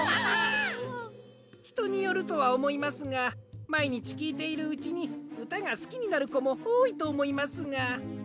ひとによるとはおもいますがまいにちきいているうちにうたがすきになるこもおおいとおもいますが。